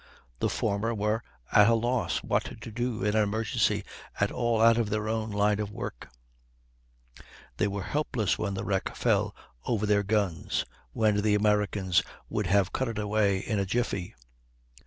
The former were at a loss what to do in an emergency at all out of their own line of work; they were helpless when the wreck fell over their guns, when the Americans would have cut it away in a jiffy.